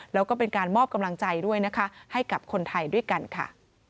แล้วก็เป็นการมอบกำลังใจด้วยนะคะให้กับคนไทยด้วยกันค่ะ